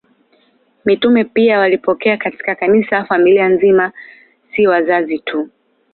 Mitume pia walipokea katika Kanisa familia nzima, si wazazi tu.